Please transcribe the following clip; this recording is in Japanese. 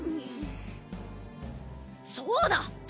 そうだ！